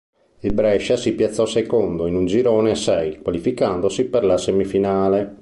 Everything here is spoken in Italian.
Il Brescia si piazzò secondo in un girone a sei, qualificandosi per la semifinale.